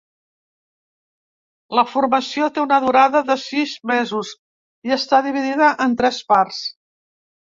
La formació té una durada de sis mesos i està dividida en tres parts.